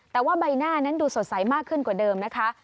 แต่ว่าใบหน้านั้นดูสดใสมากขึ้นกว่าเดิมนะคะ